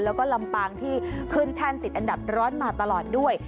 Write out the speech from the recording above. แล้วก็ลำปางที่ขึ้นแท่นติดอันดับร้อนมาตลอดด้วย